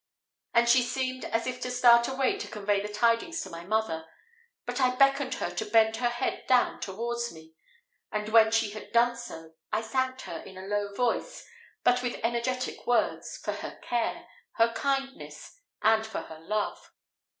and she seemed as if to start away to convey the tidings to my mother; but I beckoned her to bend her head down towards me, and when she had done so, I thanked her, in a low voice, but with energetic words, for her care, her kindness, and for her love.